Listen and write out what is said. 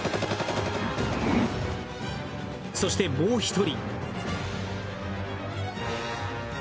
そして、もう一人。